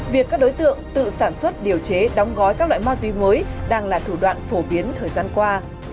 việc các đối tượng tự sản xuất điều chế đóng gói các loại ma túy mới đang là thủ đoạn phổ biến thời gian qua